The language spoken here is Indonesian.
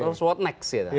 terus what next ya